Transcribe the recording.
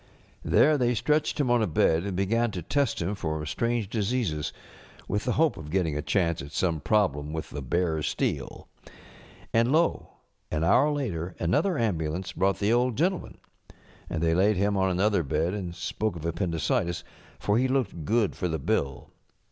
There they stretched him on a bed and began 5B The Trimmed Lamp to test him for strange diseases, with the hope of ŌĆÖ getting a ehance at some problem with the bare steel. And lo! an hour later another ambulance brought the Old Gentleman. And they laid him on another bed and spoke of appendicitis, for he looked good for the bill.